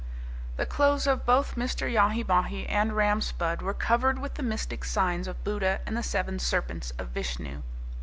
The clothes of both Mr. Yahi Bahi and Ram Spudd were covered with the mystic signs of Buddha and the seven serpents of Vishnu.